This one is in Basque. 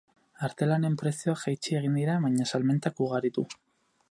Artelanen prezioak jaitsi egin dira baina salmentak ugaritu.